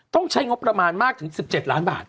ต้องใช้งบประมาณมากถึง๑๗ล้านบาท